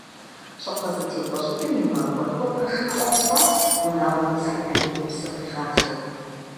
Щӏакхъуэзэтеупӏэщӏыкӏым и мэ гуакӏуэр пэшым щӏэз хъуат, унагъуэм исхэм я гурыӏупсыр къигъажэу.